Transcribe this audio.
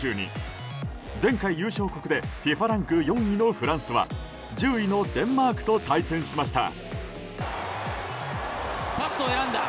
前回優勝国でＦＩＦＡランク４位のフランスは１０位のデンマークと対戦しました。